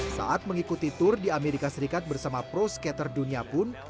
saat mengikuti tur di amerika serikat bersama pro skater dunia pun